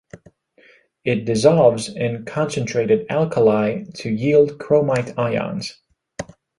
It dissolves in concentrated alkali to yield chromite ions.